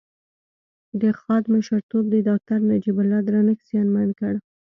د خاد مشرتوب د داکتر نجيب الله درنښت زیانمن کړ